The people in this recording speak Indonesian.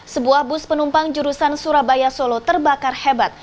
sebuah bus penumpang jurusan surabaya solo terbakar hebat